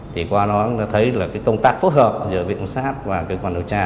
thì qua đó thấy công tác phù hợp giữa viện phòng xét và cơ quan điều tra